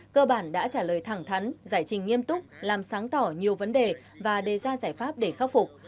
cơ bản đã trả lời thẳng thắn giải trình nghiêm túc làm sáng tỏ nhiều vấn đề và đề ra giải pháp để khắc phục